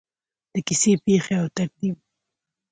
د کیسې پیښې او ترتیب: